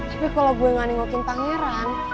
tapi kalau gue gak nengokin pangeran